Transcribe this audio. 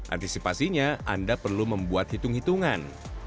antisipasinya anda perlu membuat hitung hitungan